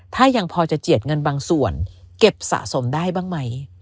ถ้ายังพอจะเจียดเงินบางส่วนเก็บสะสมได้บ้างไหม